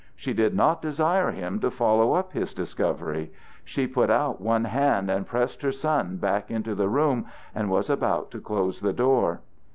She did not desire him to follow up his discovery. She put out one hand and pressed her son back into the room and was about to close the door.